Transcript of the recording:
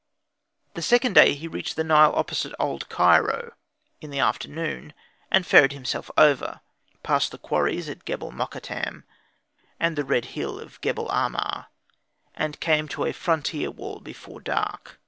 The second day he reached the Nile opposite Old Cairo in the afternoon, and ferried himself over, passed the quarries at Gebel Mokattam, and the red hill of Gebel Ahmar, and came to a frontier wall before dark.